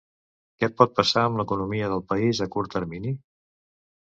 Què pot passar amb l’economia del país a curt termini?